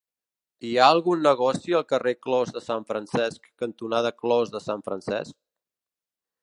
Hi ha algun negoci al carrer Clos de Sant Francesc cantonada Clos de Sant Francesc?